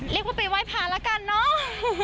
เรียกว่าไปไหว้พาละกันเนาะ